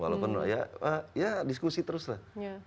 walaupun lah ya diskusi terus lah